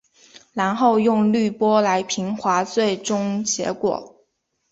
然后用滤波来平滑最终结果。